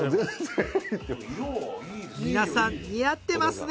皆さん似合ってますね！